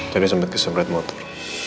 jadi sempet kesempatan motor